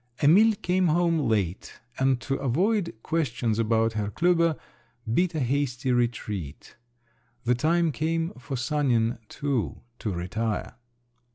Emil came home late, and to avoid questions about Herr Klüber, beat a hasty retreat. The time came for Sanin too to retire.